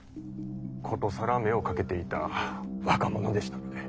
殊更目をかけていた若者でしたので。